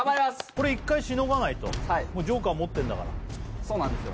これ１回しのがないともうＪＯＫＥＲ持ってんだからそうなんですよ